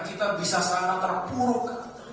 kita bisa sangat terpuruk